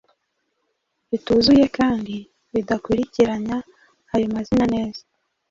bituzuye, kandi bidakurikiranya ayo mazina neza.